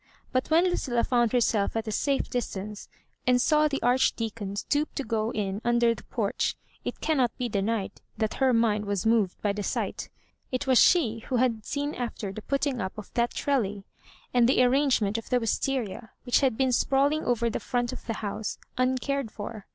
But when Lucilla found herself at a safe distance, and saw the Archdeacon stoop to go in under Digitized by Google loss HABJOBIBANSB. "il the porch, it cannot be denied that her mind was moved by the sight. It was she who had seea afler the putting up of that trellis, and the arrangement of the Wisteria^ which had been sprawling over the Aront of the bouse, uncared for.